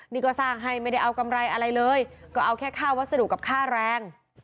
นี่ก็สร้างให้ไม่ได้เอากำไรอะไรเลยก็เอาแค่ค่าวัสดุกับค่าแรง